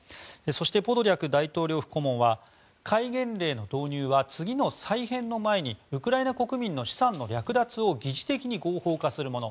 そしてポドリャク大統領府顧問は戒厳令の導入は次の再編の前にウクライナ国民の資産の略奪を疑似的に合法化するもの